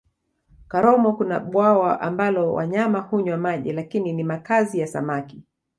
karomo kuna bwawa ambalo wanyama hunywa maji lakini ni makazi ya samaki